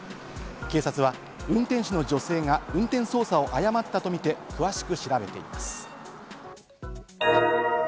警察は運転手の女性が運転操作を誤ったとみて詳しく調べています。